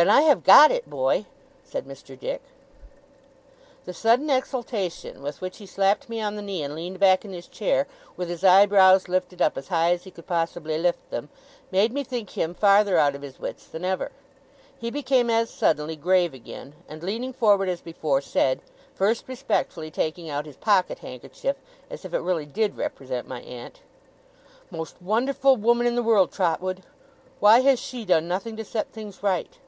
'Then, I have got it, boy!' said Mr. Dick. The sudden exultation with which he slapped me on the knee, and leaned back in his chair, with his eyebrows lifted up as high as he could possibly lift them, made me think him farther out of his wits than ever. He became as suddenly grave again, and leaning forward as before, said first respectfully taking out his pocket handkerchief, as if it really did represent my aunt: 'Most wonderful woman in the world, Trotwood. Why has she done nothing to set things right?